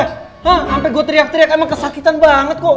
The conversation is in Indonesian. hah sampe gua teriak teriak emang kesakitan banget kok